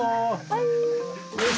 はい。